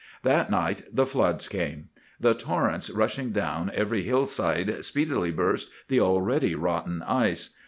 "That night the floods came. The torrents rushing down every hillside speedily burst the already rotten ice.